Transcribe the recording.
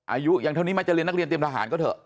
อายุอย่างเท่านี้ไหมจะเรียนนักเรียนเตรียมทหารก็เถอะ